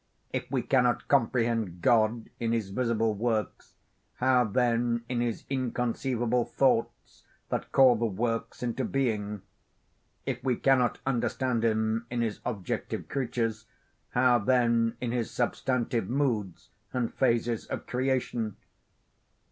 If we cannot comprehend God in his visible works, how then in his inconceivable thoughts, that call the works into being? If we cannot understand him in his objective creatures, how then in his substantive moods and phases of creation?